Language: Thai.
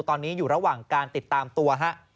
ตอนนี้อยู่ระหว่างการติดตามตัวฮะ